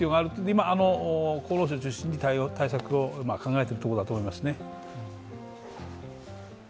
今、厚生労働省を中心に対策を考えているところだと思いますね。